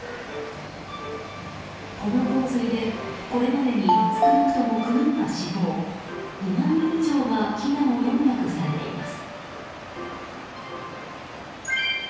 この洪水でこれまでに少なくとも９人が死亡２万人以上が避難を余儀なくされています。